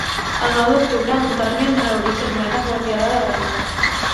El nou d'octubre en Ton i en Rauric aniran a Guardiola de Berguedà.